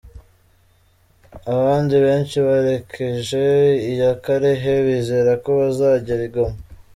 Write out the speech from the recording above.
Abandi benshi berekeje iya Kalehe bizera ko bazagera i Goma.